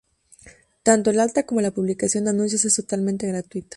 Tanto el alta como la publicación de anuncios es totalmente gratuita.